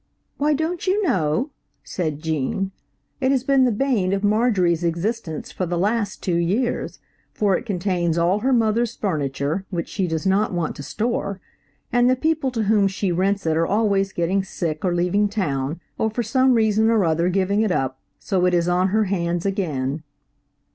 "Why, don't you know?" said Gene; "it has been the bane of Marjorie's existence for the last two years, for it contains all of her mother's furniture which she does not want to store, and the people to whom she rents it are always getting sick or leaving town, or for some reason or other giving it up, so it is on her hands again."